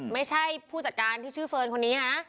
ไม่ใช่ฟูจากการที่ชื่อเฟิร์นคนนี้นะ